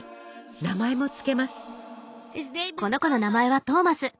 名前も付けます。